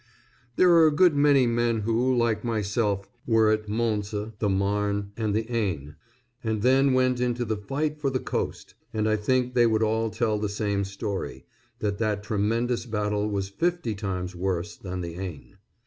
] There are a good many men who, like myself, were at Mons, the Marne and the Aisne, and then went into the Fight for the Coast, and I think they would all tell the same story that that tremendous battle was fifty times worse than the Aisne.